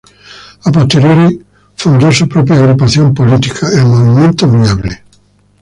A posteriori el fundo su propia agrupación política, el Movimiento Viable.